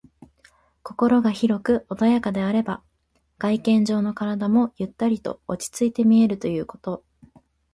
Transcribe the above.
心が広く穏やかであれば、外見上の体もゆったりと落ち着いて見えるということ。